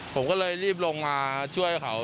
ผมก็เลยรีบลงมาช่วยเขา